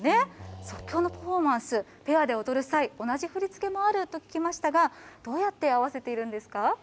即興のパフォーマンス、ペアで踊る際、同じ振り付けもあると聞きましたがどうやって合わせているんですか。